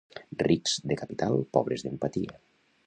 Rics de capital, pobres d'empatia.